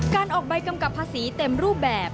การออกใบกำกับภาษีเต็มรูปแบบ